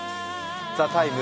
「ＴＨＥＴＩＭＥ，」